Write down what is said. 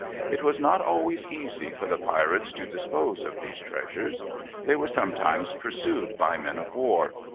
It was not always easy for the pirates to dispose of these treasures. They were sometimes pursued by men of war.